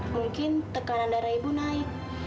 mungkin tekanan darah ibu naik